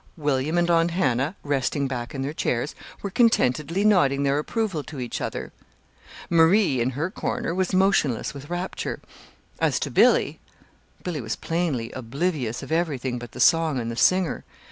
William and Aunt Hannah, resting back in their chairs, were contentedly nodding their approval to each other. Marie in her corner was motionless with rapture. As to Billy Billy was plainly oblivious of everything but the song and the singer.